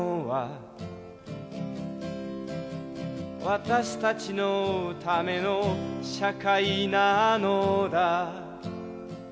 「私たちのための社会なのだ」